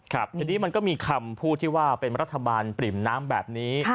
ทีนี้มันก็มีคำพูดที่ว่าเป็นรัฐบาลปริ่มน้ำแบบนี้